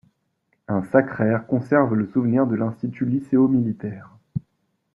Un sacraire conserve le souvenir de l'institut lycéo-militaire.